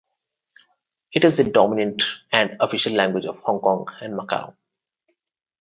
It is the dominant and official language of Hong Kong and Macau.